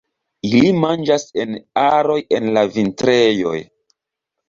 Ili manĝas en aroj en la vintrejoj.